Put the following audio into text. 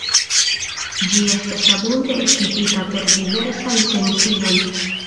Ĝi estas abunde ekipita per diversaj sensiloj.